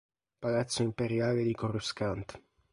Palazzo imperiale di Coruscant.